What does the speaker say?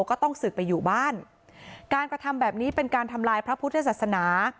ก็ต้องศึกไปอยู่บ้านการกระทำแบบนี้เป็นการทำลายพระพุทธศาสนา